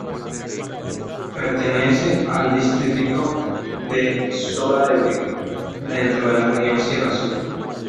Pertenece al distrito de Sola de Vega, dentro de la región sierra sur.